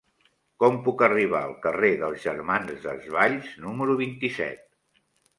Com puc arribar al carrer dels Germans Desvalls número vint-i-set?